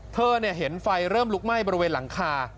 เธอเห็นไฟเริ่มลุกไหม้บริเวณหลังคา